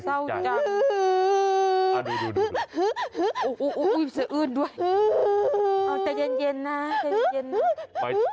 เจ้าเกลียดใจที่ใจ